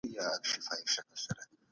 که تقاضا نه وي تولید ماتیږي.